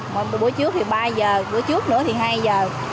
mỗi buổi trước thì ba giờ buổi trước nữa thì hai giờ